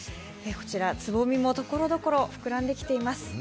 こちら、つぼみも、ところどころ膨らんできています。